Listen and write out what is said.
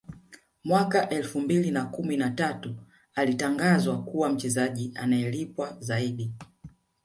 Mwaka elfu mbili na kumi na tatu alitangazwa kuwa mchezaji anayelipwa zaidi